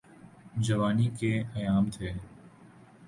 جوانی کے ایام تھے۔